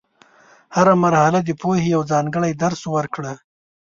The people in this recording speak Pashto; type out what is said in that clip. هره مرحله د پوهې یو ځانګړی درس ورکړه.